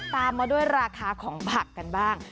ตามมาด้วยราคาของผักกันบ้าง